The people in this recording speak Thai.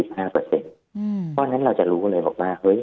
เพราะฉะนั้นเราจะรู้เลยบอกว่า